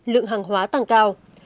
lượng hàng hóa tăng cao